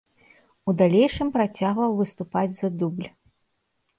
У далейшым працягваў выступаць за дубль.